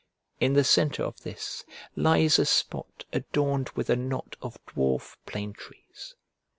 In the centre of this lies a spot adorned with a knot of dwarf plane trees.